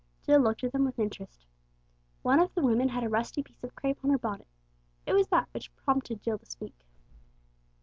Jill looked at them with interest. One of the women had a rusty piece of crape on her bonnet. It was that which prompted Jill to speak.